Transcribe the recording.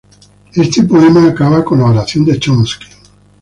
Este poema acaba con la oración de Chomsky.